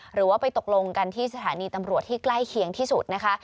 หรือว่าไปตกลงกันที่สถานีตำรวจที่ใกล้เคียงที่สุดนะคะ